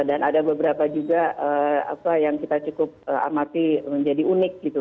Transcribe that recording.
jadi ada beberapa juga apa yang kita cukup amati menjadi unik gitu